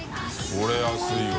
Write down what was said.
これ安いわ。